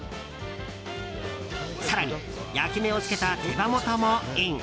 更に、焼き目を付けた手羽元もイン。